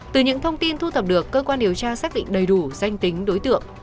từ những thông tin thu thập được cơ quan điều tra xác định đầy đủ danh tính đối tượng